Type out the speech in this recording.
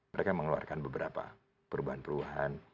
mereka mengeluarkan beberapa perubahan perubahan